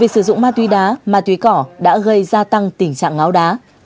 sử dụng ma túy đá ma túy cỏ đã gây gia tăng tình trạng ngáo đá